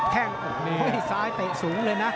แข้งโอ้โหเฮ้ยซ้ายเตะสูงเลยนะ